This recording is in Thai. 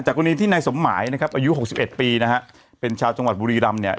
กรณีที่นายสมหมายนะครับอายุหกสิบเอ็ดปีนะฮะเป็นชาวจังหวัดบุรีรำเนี่ย